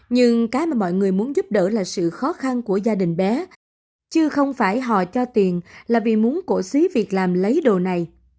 nhưng cái mà mọi người muốn giúp đỡ là sự khó khăn của gia đình bé chứ không phải hò cho tiền là vì muốn cổ suý việc làm lấy đồ này